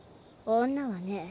女はね